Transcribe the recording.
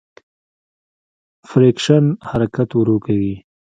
فریکشن حرکت ورو کوي.